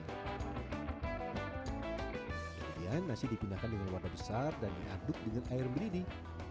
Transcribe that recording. kemudian nasi dipindahkan dengan warna besar dan diaduk dengan air mendidih